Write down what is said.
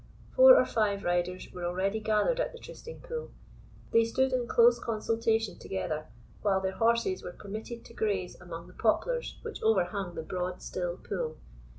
Four or five riders were already gathered at the Trysting pool. They stood in close consultation together, while their horses were permitted to graze among the poplars which overhung the broad still pool.